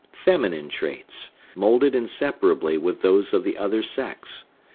Feminine traits, moulded inseparably with those of the other sex!